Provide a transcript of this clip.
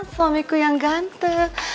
suamiku yang ganteng